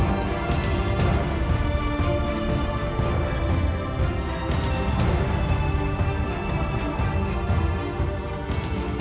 aku tidak akan menemukanmu